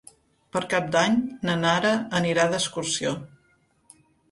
Per Cap d'Any na Nara anirà d'excursió.